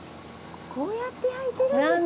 こうやって焼いてるんですね。